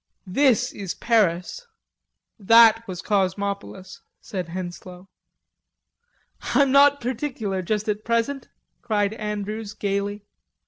"This is Paris; that was Cosmopolis," said Henslowe. "I'm not particular, just at present," cried Andrews gaily.